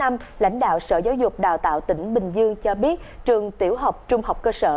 ngày tám tháng năm lãnh đạo sở giáo dục đào tạo tỉnh bình dương cho biết trường tiểu học trung học cơ sở